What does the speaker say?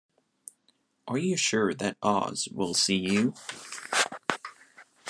Are you sure that Oz will see you?